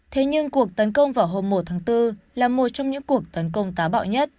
thế nhưng cuộc tấn công vào hôm một tháng bốn là một trong những cuộc tấn công tá bạo nhất